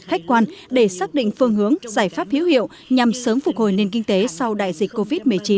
khách quan để xác định phương hướng giải pháp hiếu hiệu nhằm sớm phục hồi nền kinh tế sau đại dịch covid một mươi chín